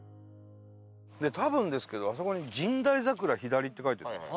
多分ですけどあそこに「神代桜左」って書いてある。